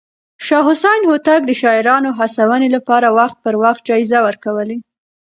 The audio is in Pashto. شاه حسين هوتک د شاعرانو هڅونې لپاره وخت پر وخت جايزې ورکولې.